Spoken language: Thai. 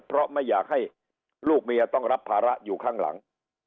เพราะไม่อยากให้ลูกเมียต้องรับภาระอยู่ข้างหลัง